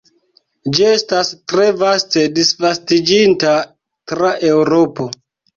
Ĝi estas tre vaste disvastiĝinta tra Eŭropo.